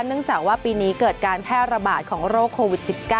เนื่องจากว่าปีนี้เกิดการแพร่ระบาดของโรคโควิด๑๙